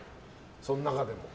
その中でも。